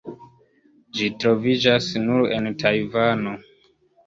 Ĝi troviĝas nur en Tajvano.